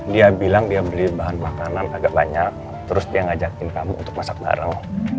dia bilang dia beli bahan makanan agak banyak terus dia ngajakin kamu untuk masak bareng